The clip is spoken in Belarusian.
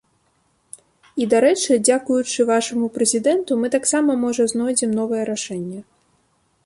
І, дарэчы, дзякуючы вашаму прэзідэнту, мы таксама, можа, знойдзем новае рашэнне!